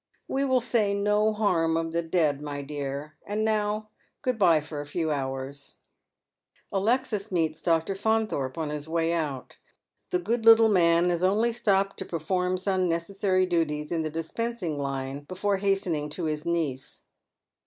" We will say no harm of the dead, my dear. And now good bye for a few hours." Alexis meets Dr. Faunthorpe on his way out. The good little man has only stopped to perform some necessary duties in tlie dispensing line before hastening to his niece.